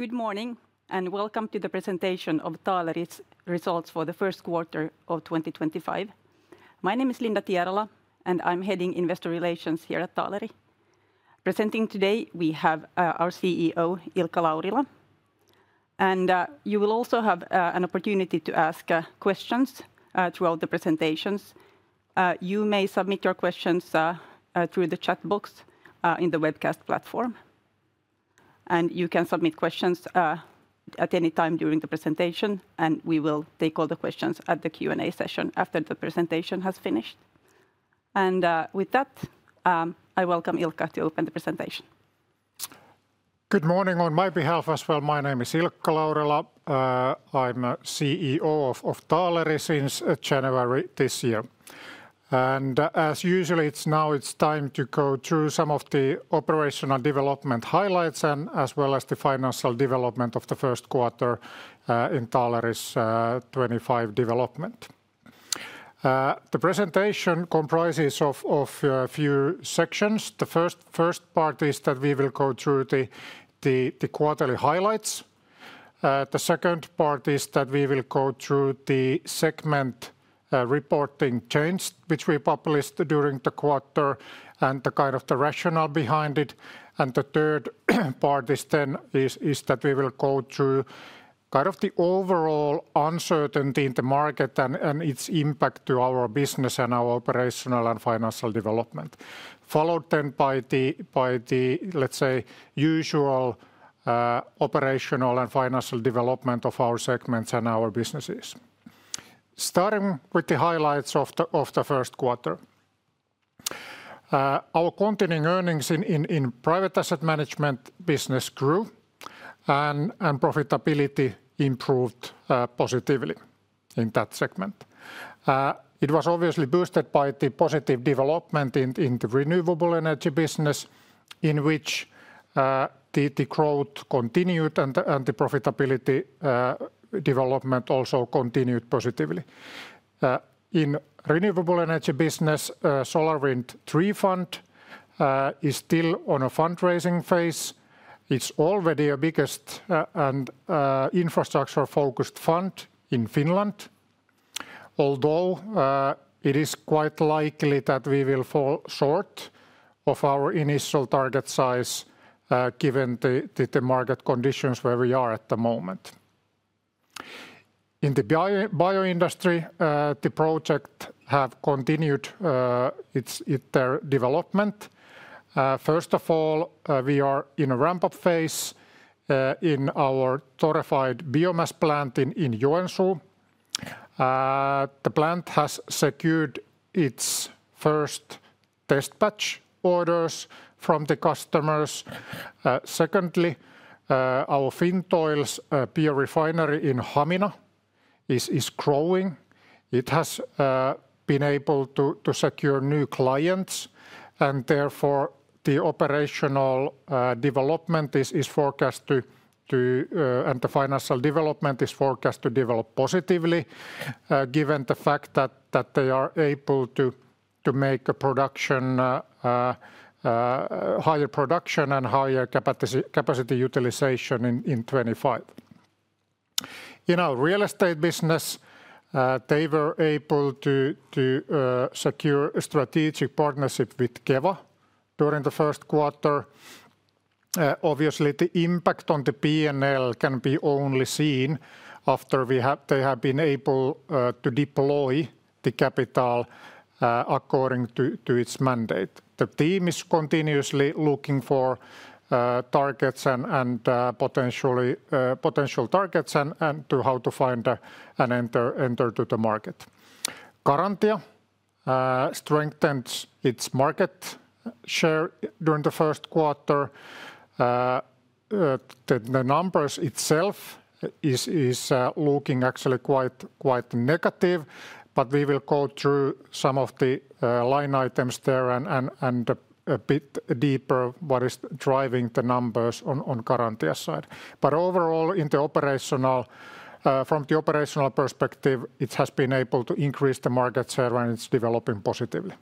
Good morning and welcome to the presentation of Taaleri's results for the first quarter of 2025. My name is Linda Tierala, and I'm heading Investor Relations here at Taaleri. Presenting today, we have our CEO, Ilkka Laurila. You will also have an opportunity to ask questions throughout the presentations. You may submit your questions through the chat box in the webcast platform. You can submit questions at any time during the presentation, and we will take all the questions at the Q&A session after the presentation has finished. With that, I welcome Ilkka to open the presentation. Good morning on my behalf as well. My name is Ilkka Laurila. I'm CEO of Taaleri since January this year. As usual, now it's time to go through some of the operational development highlights and as well as the financial development of the first quarter in Taaleri's 2025 development. The presentation comprises of a few sections. The first part is that we will go through the quarterly highlights. The second part is that we will go through the segment reporting changes which we published during the quarter and the kind of the rationale behind it. The third part is then is that we will go through kind of the overall uncertainty in the market and its impact to our business and our operational and financial development. Followed then by the, let's say, usual operational and financial development of our segments and our businesses. Starting with the highlights of the first quarter, our continuing earnings in private asset management business grew and profitability improved positively in that segment. It was obviously boosted by the positive development in the renewable energy business, in which the growth continued and the profitability development also continued positively. In renewable energy business, SolarWind III Fund is still on a fundraising phase. It's already the biggest infrastructure-focused fund in Finland, although it is quite likely that we will fall short of our initial target size given the market conditions where we are at the moment. In the bioindustry, the project has continued its development. First of all, we are in a ramp-up phase in our torrefied biomass plant in Joensuu. The plant has secured its first test batch orders from the customers. Secondly, our Fintoil biorefinery in Hamina is growing. It has been able to secure new clients, and therefore the operational development is forecast to, and the financial development is forecast to develop positively given the fact that they are able to make a production, higher production and higher capacity utilization in 2025. In our real estate business, they were able to secure a strategic partnership with Keva during the first quarter. Obviously, the impact on the P&L can be only seen after they have been able to deploy the capital according to its mandate. The team is continuously looking for targets and potential targets and how to find and enter to the market. Garantia strengthened its market share during the first quarter. The numbers itself are looking actually quite negative, but we will go through some of the line items there and a bit deeper what is driving the numbers on Garantia's side. Overall, from the operational perspective, it has been able to increase the market share and it's developing positively.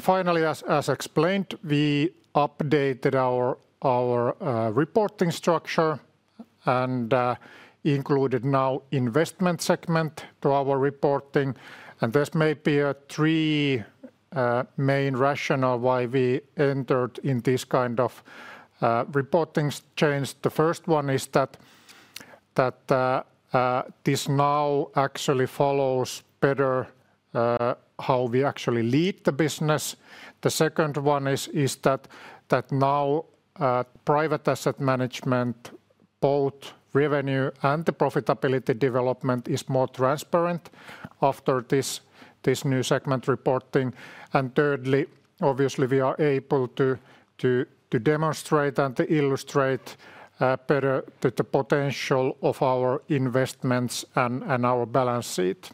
Finally, as explained, we updated our reporting structure and included now investment segment to our reporting. There may be three main rationales why we entered in this kind of reporting change. The first one is that this now actually follows better how we actually lead the business. The second one is that now private asset management, both revenue and the profitability development, is more transparent after this new segment reporting. Thirdly, obviously, we are able to demonstrate and illustrate better the potential of our investments and our balance sheet.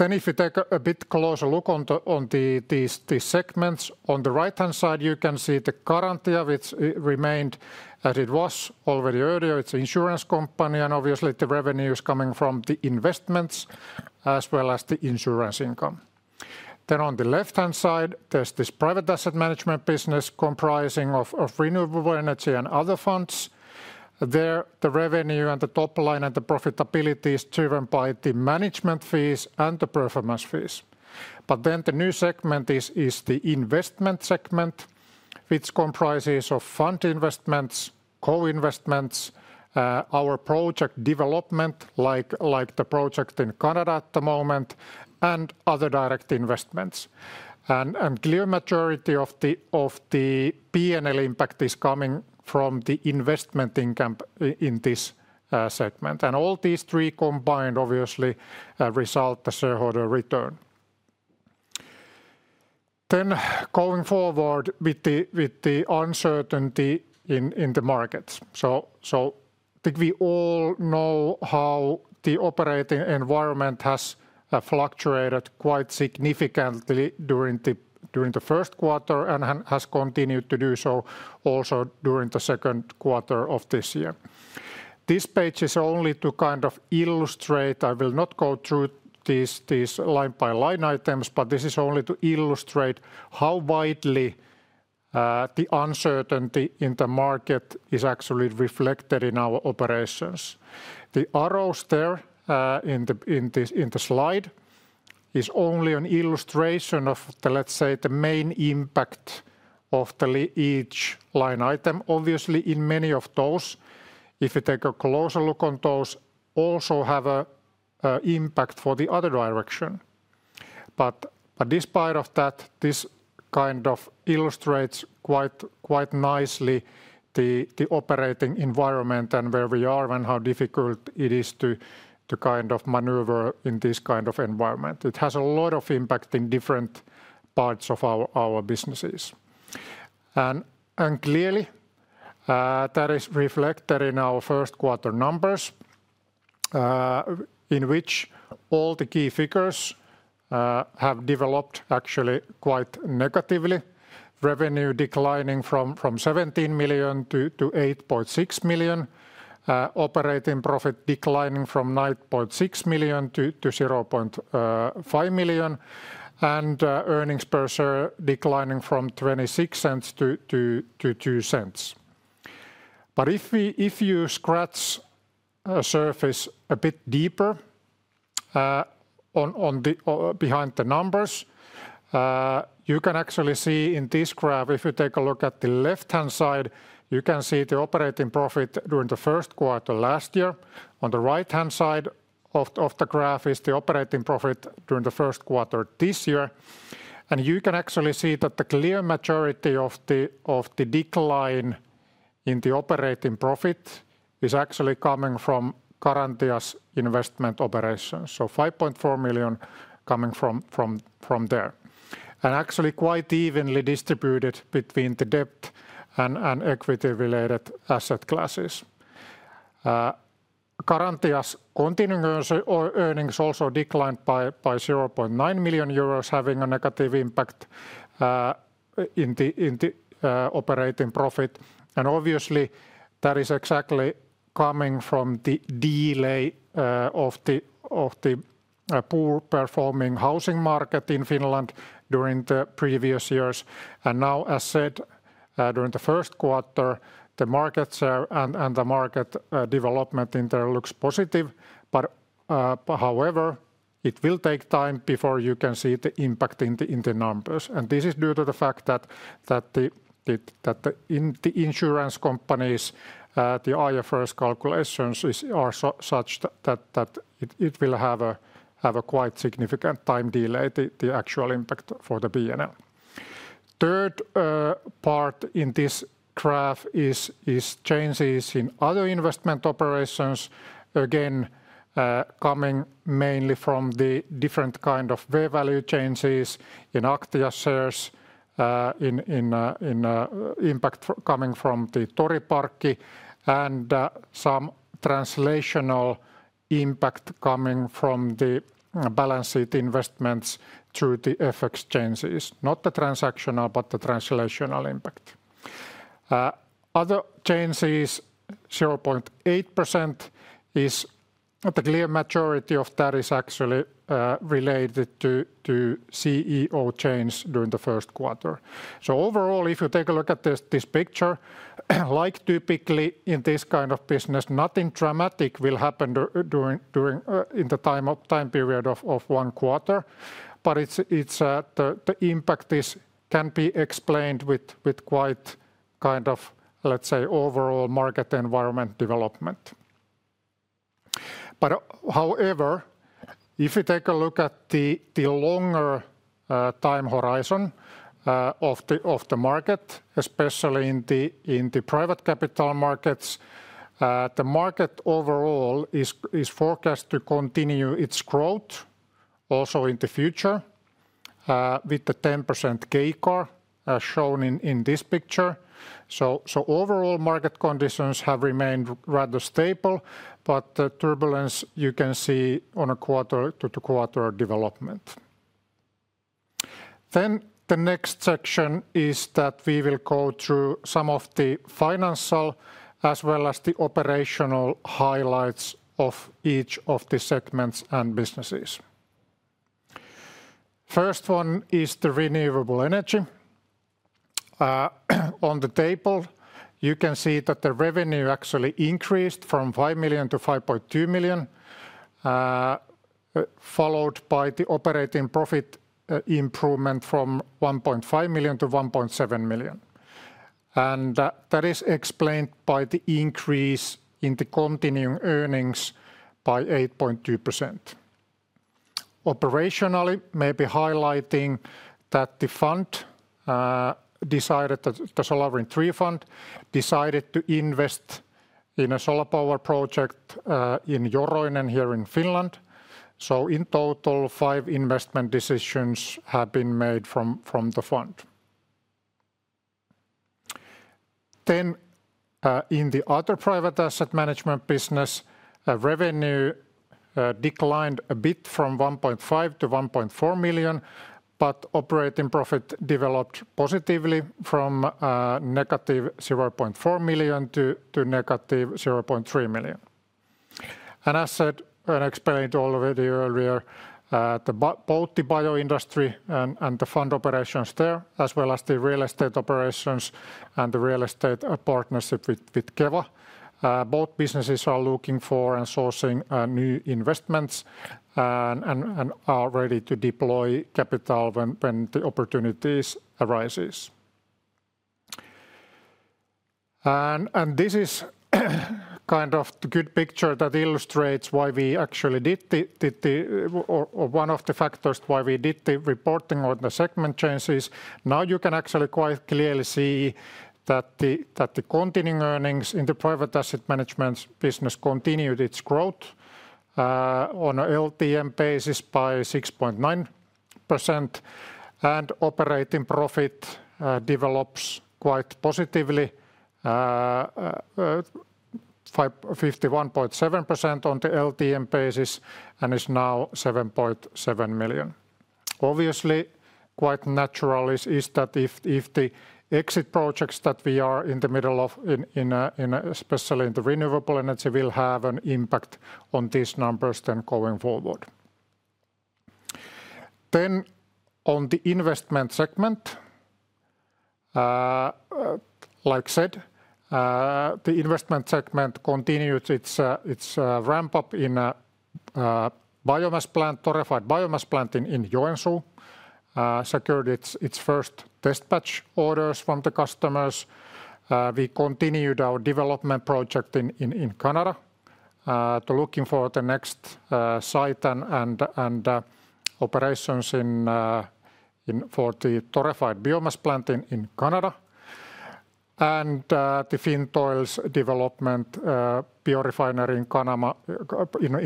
If you take a bit closer look on these segments, on the right-hand side you can see the Garantia, which remained as it was already earlier. It's an insurance company, and obviously the revenue is coming from the investments as well as the insurance income. On the left-hand side, there's this private asset management business comprising of renewable energy and other funds. There the revenue and the top line and the profitability is driven by the management fees and the performance fees. The new segment is the investment segment, which comprises of fund investments, co-investments, our project development like the project in Canada at the moment, and other direct investments. The majority of the P&L impact is coming from the investment income in this segment. All these three combined obviously result in the shareholder return. Going forward with the uncertainty in the markets. I think we all know how the operating environment has fluctuated quite significantly during the first quarter and has continued to do so also during the second quarter of this year. This page is only to kind of illustrate. I will not go through these line-by-line items, but this is only to illustrate how widely the uncertainty in the market is actually reflected in our operations. The arrows there in the slide is only an illustration of the, let's say, the main impact of each line item. Obviously, in many of those, if you take a closer look on those, also have an impact for the other direction. Despite that, this kind of illustrates quite nicely the operating environment and where we are and how difficult it is to kind of maneuver in this kind of environment. It has a lot of impact in different parts of our businesses. Clearly, that is reflected in our first quarter numbers in which all the key figures have developed actually quite negatively. Revenue declining from 17 million to 8.6 million, operating profit declining from 9.6 million to 0.5 million, and earnings per share declining from 0.26 to 0.02. If you scratch the surface a bit deeper behind the numbers, you can actually see in this graph, if you take a look at the left-hand side, you can see the operating profit during the first quarter last year. On the right-hand side of the graph is the operating profit during the first quarter this year. You can actually see that the clear majority of the decline in the operating profit is actually coming from Garantia's investment operations. 5.4 million coming from there. Actually, quite evenly distributed between the debt and equity-related asset classes. Garantia's continuing earnings also declined by 0.9 million euros, having a negative impact in the operating profit. Obviously, that is exactly coming from the delay of the poor-performing housing market in Finland during the previous years. Now, as said, during the first quarter, the market share and the market development in there looks positive. However, it will take time before you can see the impact in the numbers. This is due to the fact that the insurance companies, the IFRS calculations are such that it will have a quite significant time delay, the actual impact for the P&L. Third part in this graph is changes in other investment operations. Again, coming mainly from the different kind of value changes in Aktia shares, impact coming from the Toriparkki, and some translational impact coming from the balance sheet investments through the FX changes. Not the transactional, but the translational impact. Other changes, 0.8% is the clear majority of that is actually related to CEO change during the first quarter. Overall, if you take a look at this picture, like typically in this kind of business, nothing dramatic will happen during the time period of one quarter. The impact can be explained with quite kind of, let's say, overall market environment development. However, if you take a look at the longer time horizon of the market, especially in the private capital markets, the market overall is forecast to continue its growth also in the future with the 10% CAGR shown in this picture. Overall market conditions have remained rather stable, but the turbulence you can see on a quarter-to-quarter development. The next section is that we will go through some of the financial as well as the operational highlights of each of the segments and businesses. First one is the renewable energy. On the table, you can see that the revenue actually increased from 5 million to 5.2 million, followed by the operating profit improvement from 1.5 million to 1.7 million. That is explained by the increase in the continuing earnings by 8.2%. Operationally, maybe highlighting that the fund decided, the SolarWind III Fund decided to invest in a solar power project in Joroinen here in Finland. In total, five investment decisions have been made from the fund. In the other private asset management business, revenue declined a bit from 1.5 million to 1.4 million, but operating profit developed positively from negative 0.4 million to negative 0.3 million. As I said, and explained already earlier, both the bioindustry and the fund operations there, as well as the real estate operations and the real estate partnership with Keva, both businesses are looking for and sourcing new investments and are ready to deploy capital when the opportunities arise. This is kind of the good picture that illustrates why we actually did the one of the factors why we did the reporting on the segment changes. Now you can actually quite clearly see that the continuing earnings in the private asset management business continued its growth on an LTM basis by 6.9%, and operating profit develops quite positively, 51.7% on the LTM basis, and is now 7.7 million. Obviously, quite natural is that if the exit projects that we are in the middle of, especially in the renewable energy, will have an impact on these numbers then going forward. On the investment segment, like said, the investment segment continued its ramp-up in a biomass plant, torrefied biomass plant in Joensuu, secured its first test batch orders from the customers. We continued our development project in Canada to looking for the next site and operations for the torrefied biomass plant in Canada. The Fintoil development biorefinery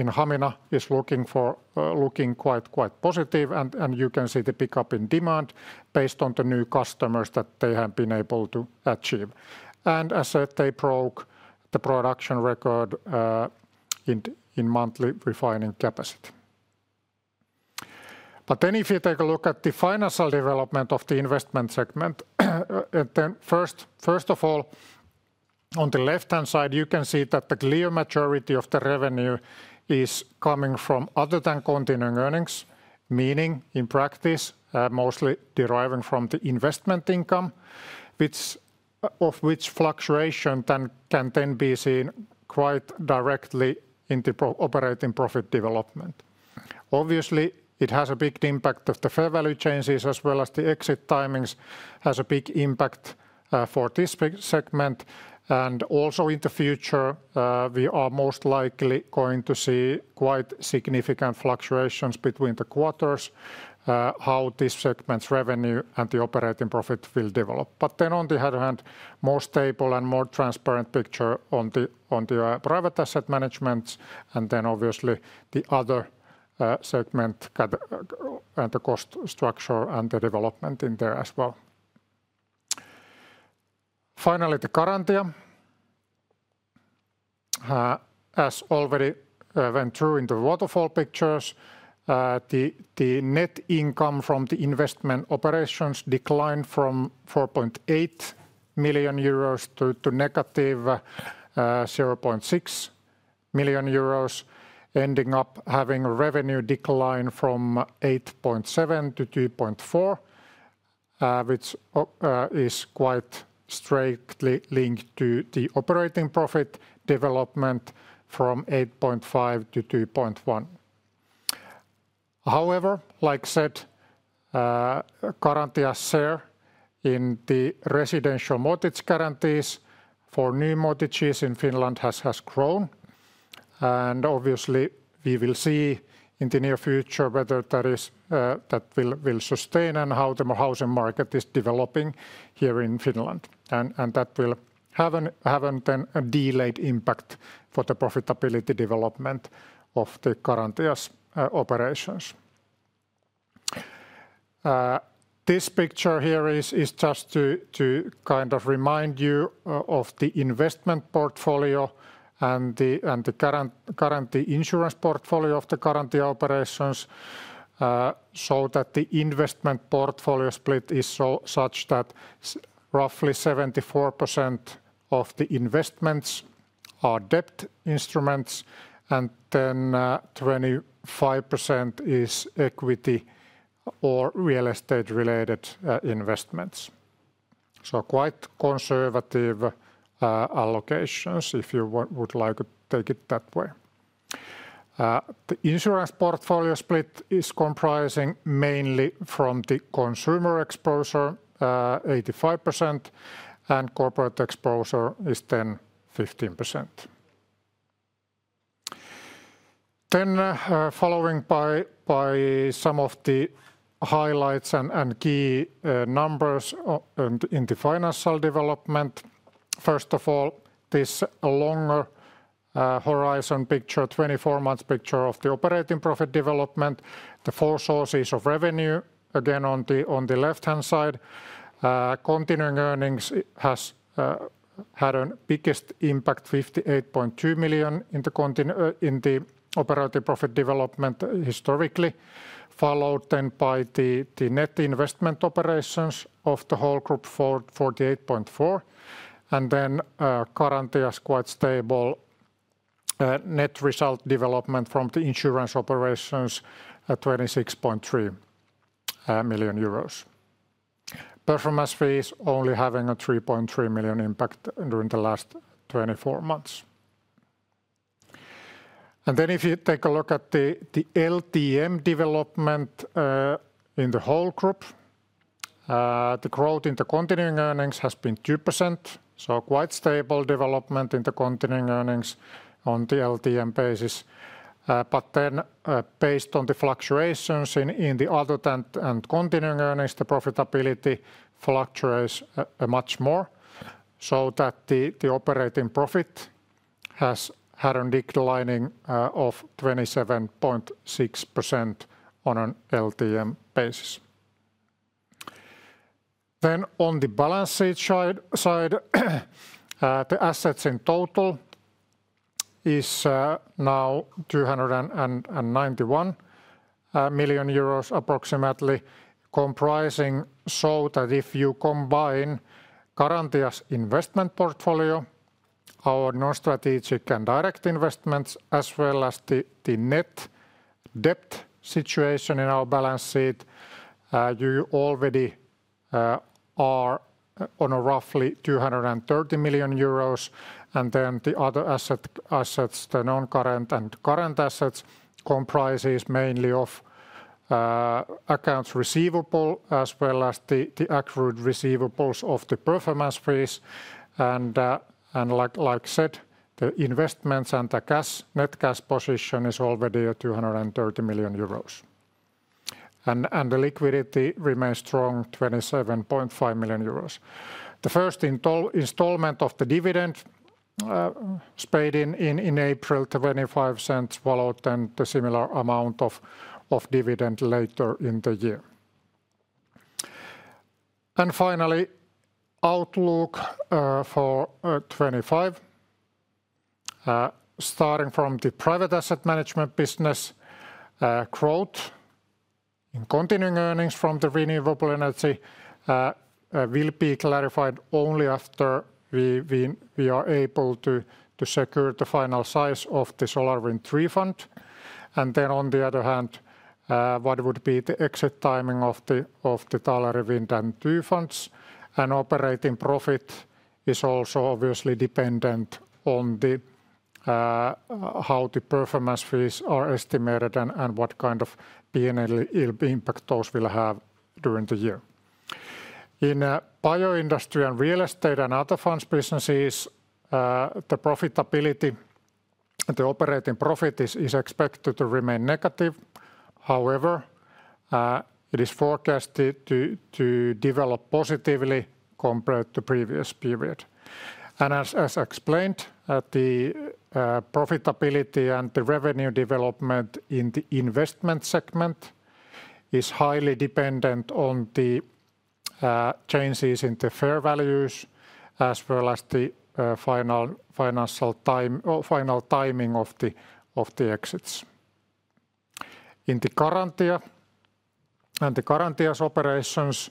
in Hamina is looking quite positive, and you can see the pickup in demand based on the new customers that they have been able to achieve. As I said, they broke the production record in monthly refining capacity. If you take a look at the financial development of the investment segment, first of all, on the left-hand side, you can see that the clear majority of the revenue is coming from other than continuing earnings, meaning in practice mostly deriving from the investment income, of which fluctuation can then be seen quite directly in the operating profit development. Obviously, it has a big impact of the fair value changes as well as the exit timings has a big impact for this segment. Also in the future, we are most likely going to see quite significant fluctuations between the quarters, how this segment's revenue and the operating profit will develop. On the other hand, more stable and more transparent picture on the private asset management, and then obviously the other segment and the cost structure and the development in there as well. Finally, the Garantia, as already went through in the waterfall pictures, the net income from the investment operations declined from 4.8 million euros to negative 0.6 million euros, ending up having a revenue decline from 8.7 million to 2.4 million, which is quite straightly linked to the operating profit development from 8.5 million to 2.1 million. However, like said, Garantia's share in the residential mortgage guarantees for new mortgages in Finland has grown. Obviously, we will see in the near future whether that will sustain and how the housing market is developing here in Finland. That will have a delayed impact for the profitability development of the Garantia's operations. This picture here is just to kind of remind you of the investment portfolio and the guarantee insurance portfolio of the Garantia operations, so that the investment portfolio split is such that roughly 74% of the investments are debt instruments and then 25% is equity or real estate-related investments. Quite conservative allocations if you would like to take it that way. The insurance portfolio split is comprising mainly from the consumer exposure, 85%, and corporate exposure is then 15%. Following by some of the highlights and key numbers in the financial development. First of all, this longer horizon picture, 24-month picture of the operating profit development, the four sources of revenue, again on the left-hand side. Continuing earnings has had a biggest impact, 58.2 million in the operating profit development historically, followed then by the net investment operations of the whole group, 48.4 million. Garantia's quite stable net result development from the insurance operations, 26.3 million euros. Performance fees only having a 3.3 million impact during the last 24 months. If you take a look at the LTM development in the whole group, the growth in the continuing earnings has been 2%, so quite stable development in the continuing earnings on the LTM basis. Based on the fluctuations in the other and continuing earnings, the profitability fluctuates much more, so that the operating profit has had a declining of 27.6% on an LTM basis. On the balance sheet side, the assets in total is now approximately 291 million euros, comprising so that if you combine Garantia's investment portfolio, our non-strategic and direct investments, as well as the net debt situation in our balance sheet, you already are on a roughly 230 million euros. The other assets, the non-current and current assets, comprise mainly of accounts receivable as well as the accrued receivables of the performance fees. Like said, the investments and the net cash position is already 230 million euros. The liquidity remains strong, 27.5 million euros. The first installment of the dividend was paid in April, 0.25, followed by a similar amount of dividend later in the year. Finally, outlook for 2025, starting from the private asset management business, growth in continuing earnings from the renewable energy will be clarified only after we are able to secure the final size of the SolarWind III Fund. On the other hand, what would be the exit timing of the Taaleri Wind I and II Funds? Operating profit is also obviously dependent on how the performance fees are estimated and what kind of P&L impact those will have during the year. In bioindustry and real estate and other funds businesses, the profitability and the operating profit is expected to remain negative. However, it is forecasted to develop positively compared to the previous period. As explained, the profitability and the revenue development in the investment segment is highly dependent on the changes in the fair values as well as the final timing of the exits. In the Garantia and the Garantia's operations,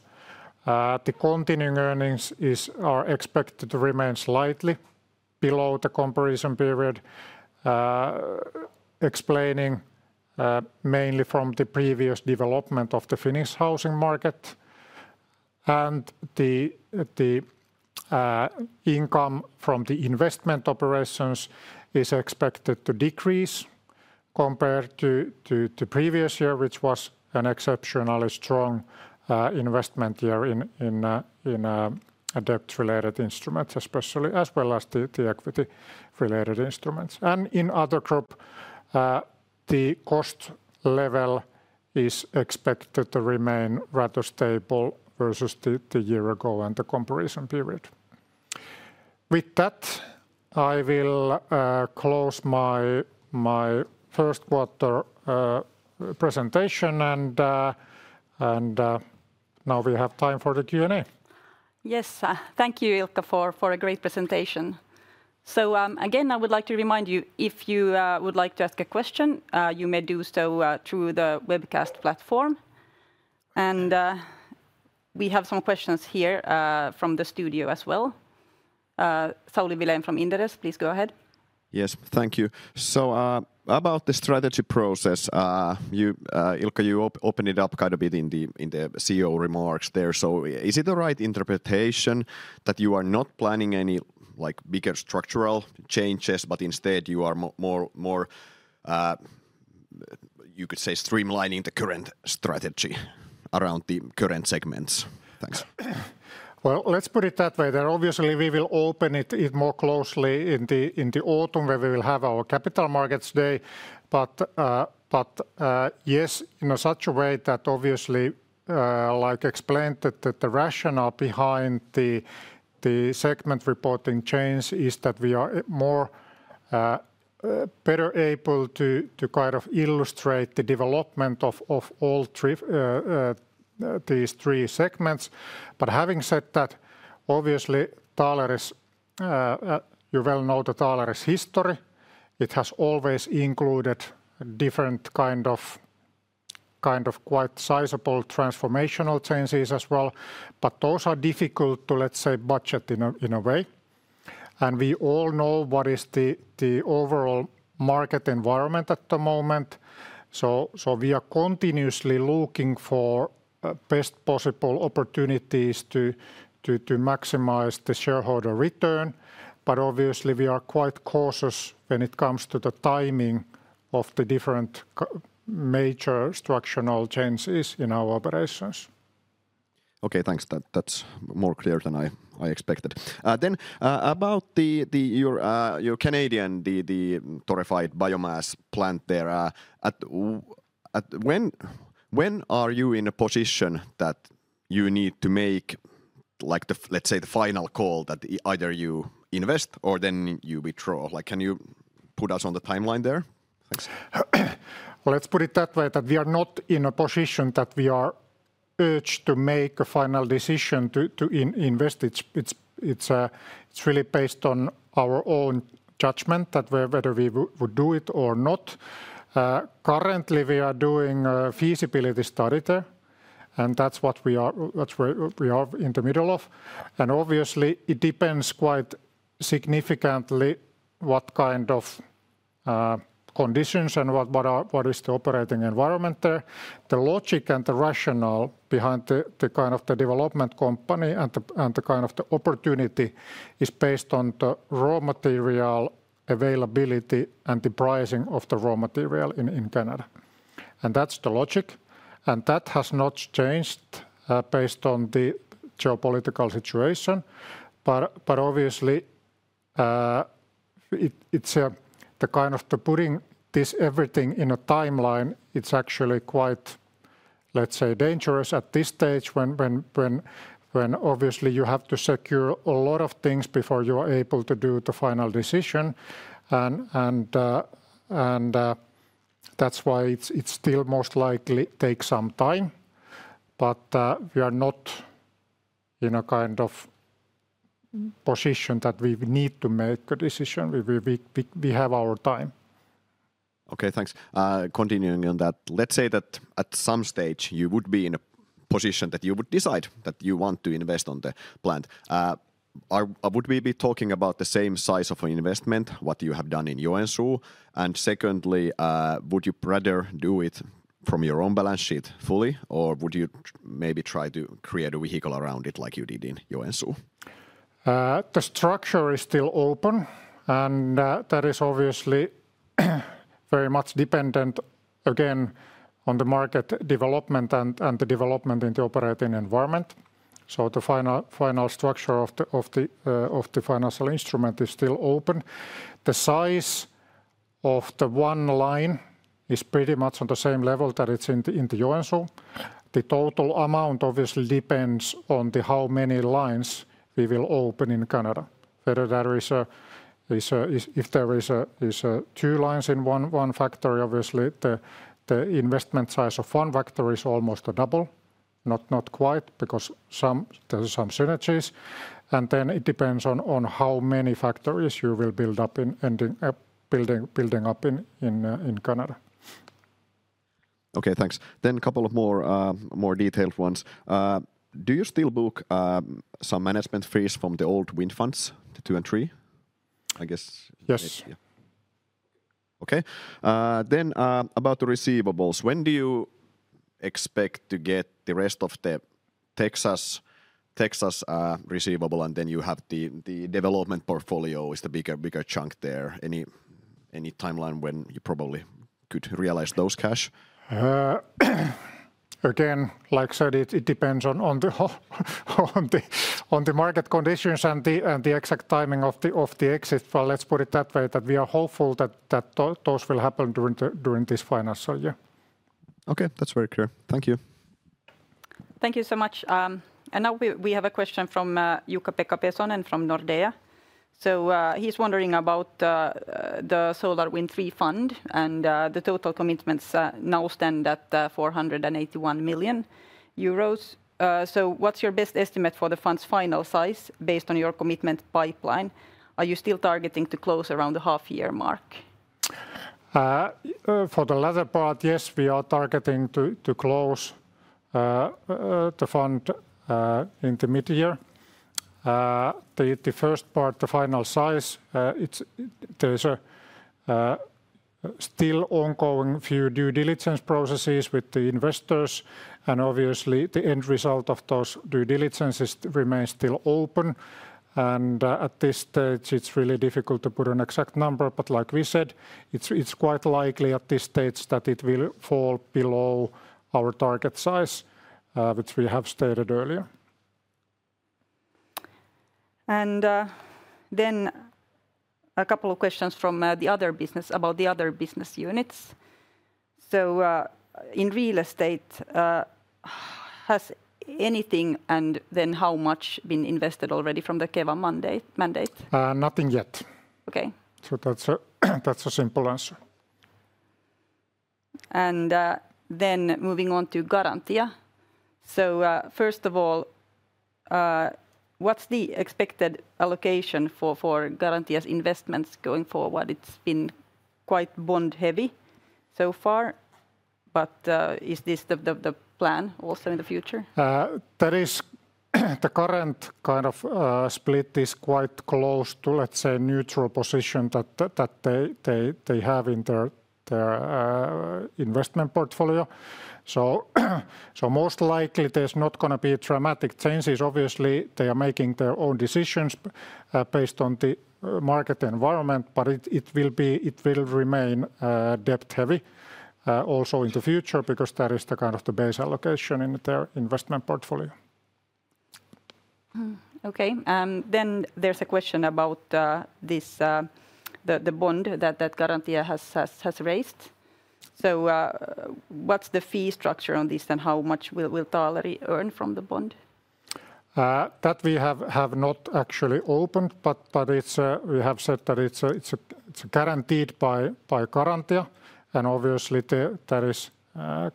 the continuing earnings are expected to remain slightly below the comparison period, explaining mainly from the previous development of the Finnish housing market. The income from the investment operations is expected to decrease compared to the previous year, which was an exceptionally strong investment year in debt-related instruments, especially as well as the equity-related instruments. In other group, the cost level is expected to remain rather stable versus the year ago and the comparison period. With that, I will close my first quarter presentation, and now we have time for the Q&A. Yes, thank you, Ilkka, for a great presentation. I would like to remind you, if you would like to ask a question, you may do so through the webcast platform. We have some questions here from the studio as well. Sauli Vilén from Inderes, please go ahead. Yes, thank you. About the strategy process, Ilkka, you opened it up quite a bit in the CEO remarks there. Is it the right interpretation that you are not planning any bigger structural changes, but instead you are more, you could say, streamlining the current strategy around the current segments? Thanks. Let's put it that way. Obviously, we will open it more closely in the autumn where we will have our capital markets day. Yes, in such a way that, like explained, the rationale behind the segment reporting change is that we are better able to kind of illustrate the development of all these three segments. Having said that, you well know Taaleri's history. It has always included different kind of quite sizable transformational changes as well. Those are difficult to, let's say, budget in a way. We all know what is the overall market environment at the moment. We are continuously looking for best possible opportunities to maximize the shareholder return. Obviously, we are quite cautious when it comes to the timing of the different major structural changes in our operations. Okay, thanks. That's more clear than I expected. About your Canadian, the torrefied biomass plant there, when are you in a position that you need to make, let's say, the final call that either you invest or then you withdraw? Can you put us on the timeline there? Thanks. Let's put it that way that we are not in a position that we are urged to make a final decision to invest. It's really based on our own judgment that whether we would do it or not. Currently, we are doing a feasibility study there, and that's what we are in the middle of. Obviously, it depends quite significantly what kind of conditions and what is the operating environment there. The logic and the rationale behind the kind of the development company and the kind of the opportunity is based on the raw material availability and the pricing of the raw material in Canada. That is the logic. That has not changed based on the geopolitical situation. Obviously, putting this everything in a timeline is actually quite, let's say, dangerous at this stage when you have to secure a lot of things before you are able to do the final decision. That is why it still most likely takes some time. We are not in a kind of position that we need to make a decision. We have our time. Okay, thanks. Continuing on that, let's say that at some stage you would be in a position that you would decide that you want to invest on the plant. Would we be talking about the same size of investment, what you have done in Joensuu? Secondly, would you rather do it from your own balance sheet fully, or would you maybe try to create a vehicle around it like you did in Joensuu? The structure is still open, and that is obviously very much dependent again on the market development and the development in the operating environment. The final structure of the financial instrument is still open. The size of the one line is pretty much on the same level that it's in Joensuu. The total amount obviously depends on how many lines we will open in Canada. If there are two lines in one factory, obviously the investment size of one factory is almost double, not quite, because there are some synergies. It depends on how many factories you will build up in Canada. Okay, thanks. A couple of more detailed ones. Do you still book some management fees from the old wind funds, the two and three? I guess. Yes. Okay. About the receivables, when do you expect to get the rest of the Texas receivable and then you have the development portfolio, is the bigger chunk there? Any timeline when you probably could realize those cash? Again, like I said, it depends on the market conditions and the exact timing of the exit. Let's put it that way that we are hopeful that those will happen during this financial year. Okay, that's very clear. Thank you. Thank you so much. Now we have a question from Ilkka Pekka Pesonen from Nordea. He is wondering about the SolarWind III Fund and the total commitments now stand at 481 million euros. What is your best estimate for the fund's final size based on your commitment pipeline? Are you still targeting to close around the half-year mark? For the latter part, yes, we are targeting to close the fund in the mid-year. The first part, the final size, there are still a few ongoing due diligence processes with the investors. Obviously, the end result of those due diligences remains still open. At this stage, it is really difficult to put an exact number. Like we said, it is quite likely at this stage that it will fall below our target size, which we have stated earlier. A couple of questions from the other business about the other business units. In real estate, has anything and then how much been invested already from the Keva mandate? Nothing yet. That is a simple answer. Moving on to Garantia. First of all, what is the expected allocation for Garantia's investments going forward? It has been quite bond-heavy so far. Is this the plan also in the future? The current kind of split is quite close to, let's say, a neutral position that they have in their investment portfolio. Most likely there is not going to be dramatic changes. Obviously, they are making their own decisions based on the market environment. It will remain debt-heavy also in the future because that is the kind of the base allocation in their investment portfolio. Okay. There is a question about the bond that Garantia has raised. What's the fee structure on this and how much will Taaleri earn from the bond? That we have not actually opened, but we have said that it's guaranteed by Garantia. Obviously, that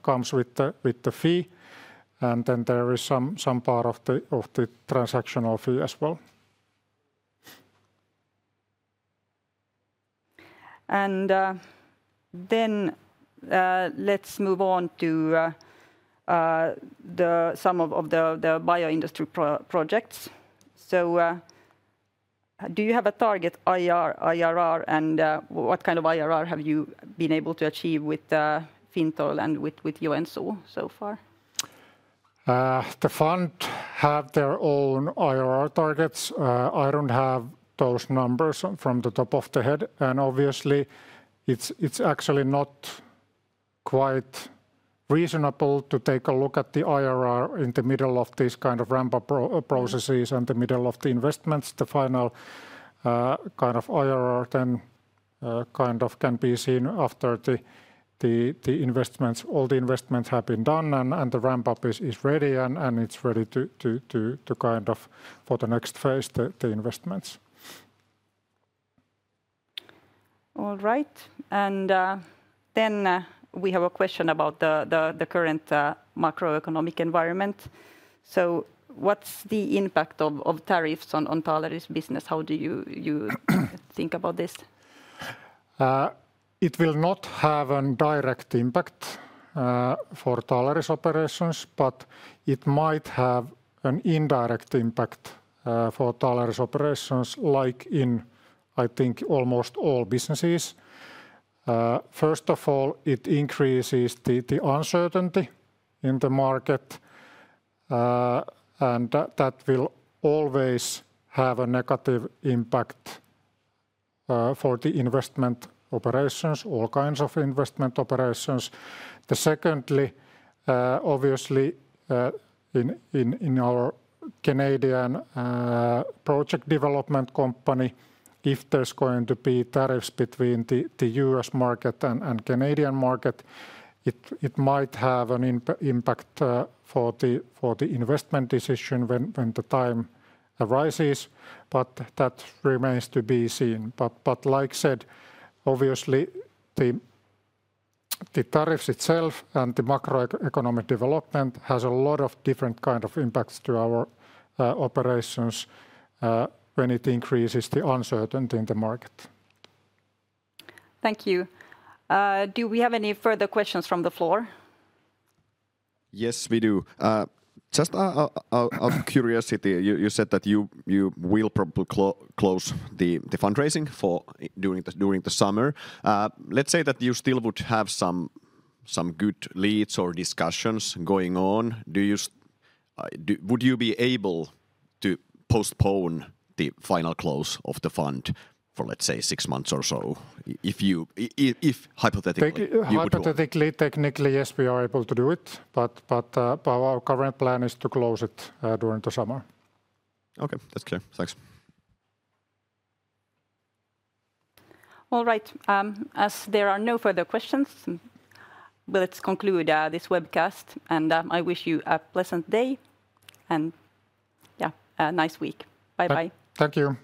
comes with the fee. There is some part of the transactional fee as well. Let's move on to some of the bioindustry projects. Do you have a target IRR? What kind of IRR have you been able to achieve with Fintoil and with Joensuu so far? The fund has their own IRR targets. I don't have those numbers from the top of the head. Obviously, it's actually not quite reasonable to take a look at the IRR in the middle of these kind of ramp-up processes and the middle of the investments. The final kind of IRR then kind of can be seen after all the investments have been done and the ramp-up is ready and it's ready to kind of for the next phase, the investments. All right. We have a question about the current macroeconomic environment. What's the impact of tariffs on Taaleri's business? How do you think about this? It will not have a direct impact for Taaleri's operations, but it might have an indirect impact for Taaleri's operations, like in, I think, almost all businesses. First of all, it increases the uncertainty in the market. That will always have a negative impact for the investment operations, all kinds of investment operations. Secondly, obviously, in our Canadian project development company, if there is going to be tariffs between the U.S. market and Canadian market, it might have an impact for the investment decision when the time arises. That remains to be seen. Like I said, obviously, the tariffs itself and the macroeconomic development has a lot of different kinds of impacts to our operations when it increases the uncertainty in the market. Thank you. Do we have any further questions from the floor? Yes, we do. Just out of curiosity, you said that you will probably close the fundraising during the summer. Let's say that you still would have some good leads or discussions going on. Would you be able to postpone the final close of the fund for, let's say, six months or so? Hypothetically. Hypothetically, technically, yes, we are able to do it. Our current plan is to close it during the summer. Okay, that's clear. Thanks. All right. As there are no further questions, let's conclude this webcast. I wish you a pleasant day and a nice week. Bye-bye. Thank you.